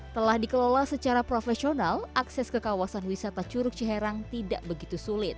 telah dikelola secara profesional akses ke kawasan wisata curug ciherang tidak begitu sulit